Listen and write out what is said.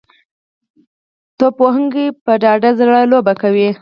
توپ وهونکي په ډاډه زړه لوبه کوي.